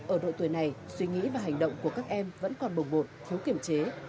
ở độ tuổi này suy nghĩ và hành động của các em vẫn còn bồng bột thiếu kiểm chế